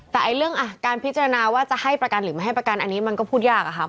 แต่เรื่องการพิจารณาว่าจะให้ประกันหรือไม่ให้ประกันอันนี้มันก็พูดยากอะค่ะ